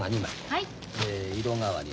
はい。